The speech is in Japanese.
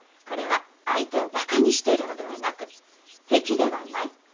これは相手をバカにしているのではなく「敵ではない」